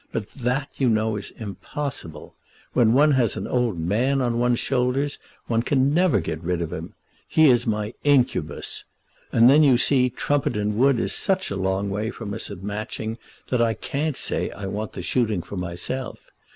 But that, you know, is impossible. When one has an old man on one's shoulders one never can get rid of him. He is my incubus; and then you see Trumpeton Wood is such a long way from us at Matching that I can't say I want the shooting for myself.